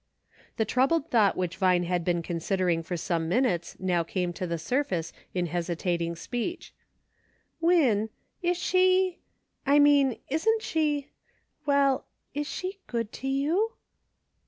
The troubled thought which Vine had been con sidering for some minutes now came to the surface in hesitating speech : "Win, is she — I mean, isn't she — well, is she good to you